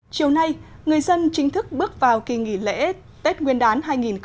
chiều nay người dân chính thức bước vào kỳ nghỉ lễ tết nguyên đán hai nghìn một mươi chín